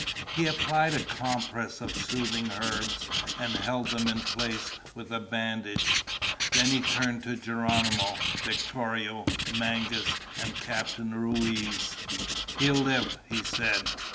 He applied a compress of soothing herbs and held them in place with a bandage. Then he turned to Geronimo, Victorio, Mangas, and Captain Ruiz. "He'll live," he said.